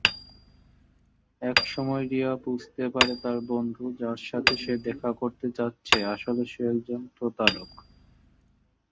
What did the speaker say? এক সময়ে "রিয়া" বুঝতে পারে তার বন্ধু, যার সাথে সে দেখা করতে যাচ্ছে, আসলে একজন প্রতারক।